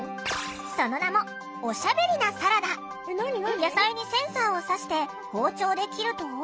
その名も野菜にセンサーを挿して包丁で切ると。